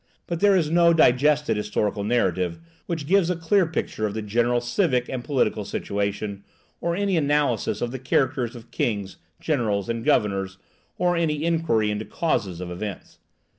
But there is no digested historical narrative, which gives a clear picture of the general civil and political situation, or any analysis of the characters of kings, generals, and governors, or any inquiry into causes of events.